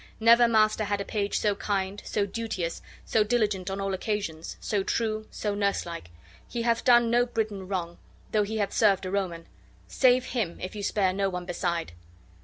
Never master had a page so kind, so duteous, so diligent on all occasions, so true, so nurselike. He hath done no Briton wrong, though he hath served a Roman. Save him, if you spare no one beside."